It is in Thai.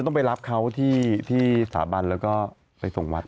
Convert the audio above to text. ต้องไปรับเขาที่สถาบันแล้วก็ไปส่งวัด